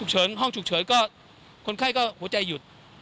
เฉินห้องฉุกเฉินก็คนไข้ก็หัวใจหยุด